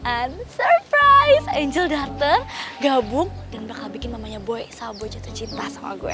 and surprise angel darter gabung dan bakal bikin namanya boy sabo jatuh cinta sama gue